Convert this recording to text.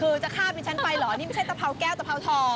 คือจะข้ามดิฉันไปเหรอนี่ไม่ใช่กะเพราแก้วตะเพราทอง